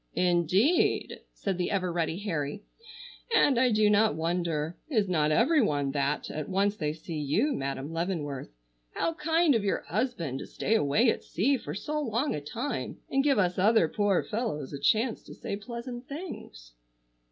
"Indeed!" said the ever ready Harry, "and I do not wonder. Is not every one that at once they see you, Madam Leavenworth? How kind of your husband to stay away at sea for so long a time and give us other poor fellows a chance to say pleasant things."